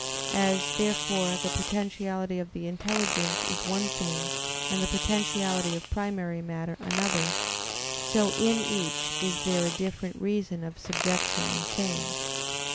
As, therefore, the potentiality of the intelligence is one thing and the potentiality of primary matter another, so in each is there a different reason of subjection and change.